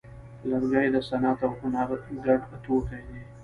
لرګی د صنعت او هنر ګډ توکی دی.